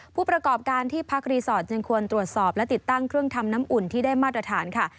ผู้ประกอบการที่พักรีสอร์ทจึงควรตรวจสอบและติดตั้งเครื่องทำน้ำอุ่นที่ได้มาตรฐานค่ะ